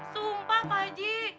sumpah pak haji